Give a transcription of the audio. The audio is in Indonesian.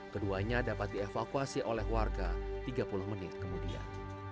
keduanya dapat dievakuasi oleh warga tiga puluh menit kemudian